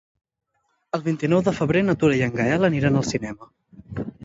El vint-i-nou de febrer na Tura i en Gaël aniran al cinema.